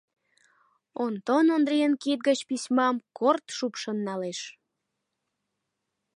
Онтон Ондрийын кид гыч письмам корт шупшын налеш.